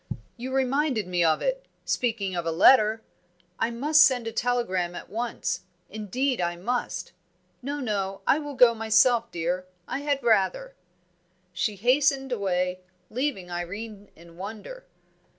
"You reminded me of it speaking of a letter; I must send a telegram at once indeed I must. No, no, I will go myself, dear. I had rather!" She hastened away, leaving Irene in wonder.